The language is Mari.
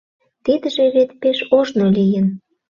— Тидыже вет пеш ожно лийын.